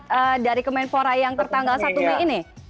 apakah pelayangan surat dari kemenpora yang tertanggal satu mei ini